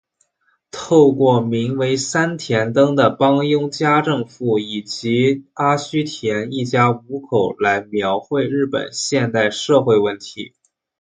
透过名为三田灯的帮佣家政妇以及阿须田一家五口来描绘日本现代社会问题。